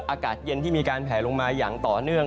อากาศเย็นที่มีการแผลลงมาอย่างต่อเนื่อง